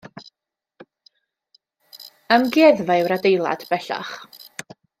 Amgueddfa yw'r adeilad, bellach.